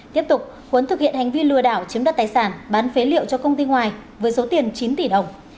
tiếp tục quấn thực hiện hành vi lừa đảo chiếm đất tài sản bán phế liệu cho công ty ngoài với số tiền chín tỷ đồng